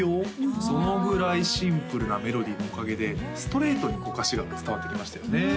そのぐらいシンプルなメロディーのおかげでストレートに歌詞が伝わってきましたよね